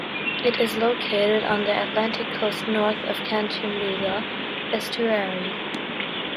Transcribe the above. It is located on the Atlantic Coast north of Catumbela Estuary.